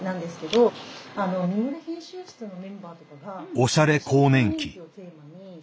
「おしゃれ更年期」。